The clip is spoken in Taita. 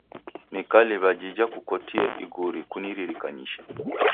Nikaliw'a jija kukotia iguri kuniririkanyishe.